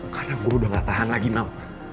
karena gue udah gak tahan lagi mel